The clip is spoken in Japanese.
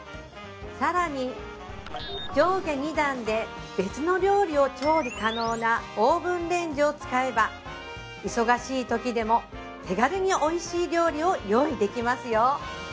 更に上下２段で別の料理を調理可能なオーブンレンジを使えば忙しいときでも手軽においしい料理を用意できますよ